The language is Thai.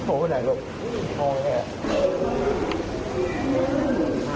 โอ้ไหนล่ะลูกพ่อแหละ